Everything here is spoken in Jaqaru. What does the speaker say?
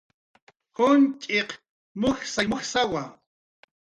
Junch'iq mujsay mujsawa